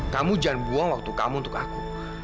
kamu jangan buang waktu kamu untuk aku